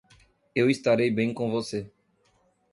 Eu estarei bem com você.